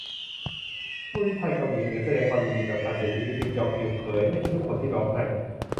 ผู้ลี้ภัย"เกาหลีเหนือ"แสดงความยินดีต่อการเสียชีวิต"คิม จอง อิล" เผย"ไม่ใช่ทุกคนที่ร้องไห้"